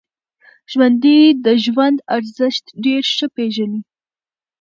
ژوندي د ژوند ارزښت ډېر ښه پېژني